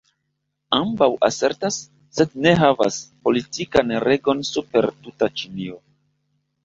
Ambaŭ asertas, sed ne havas, politikan regon super tuta Ĉinio.